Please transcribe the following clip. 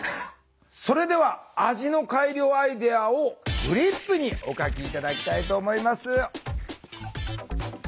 それでは味の改良アイデアをフリップにお書き頂きたいと思います。